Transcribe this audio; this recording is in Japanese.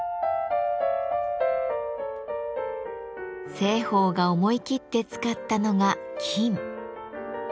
栖鳳が思い切って使ったのが金。